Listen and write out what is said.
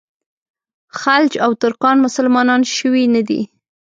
خلج او ترکان مسلمانان شوي نه دي.